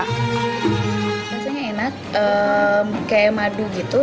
rasanya enak kayak madu gitu